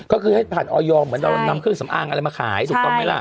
ก็คือให้ผ่านออยอร์เหมือนเรานำเครื่องสำอางอะไรมาขายถูกต้องไหมล่ะ